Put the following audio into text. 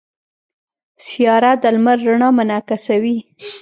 سیاره د لمر رڼا منعکسوي.